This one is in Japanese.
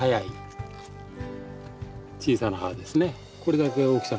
小さな葉ですね。